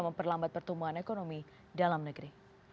memperlambat pertumbuhan ekonomi dalam negeri